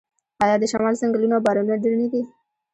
آیا د شمال ځنګلونه او بارانونه ډیر نه دي؟